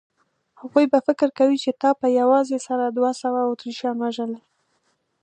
هغوی به فکر کوي چې تا په یوازې سره دوه سوه اتریشیان وژلي.